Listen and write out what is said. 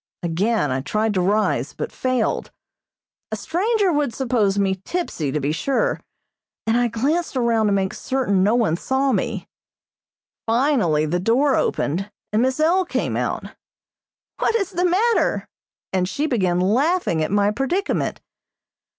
Again I tried to rise, but failed. A stranger would suppose me tipsy, to be sure, and I glanced around to make certain no one saw me. Finally the door opened, and Miss L. came out. "What is the matter?" and she began laughing at my predicament.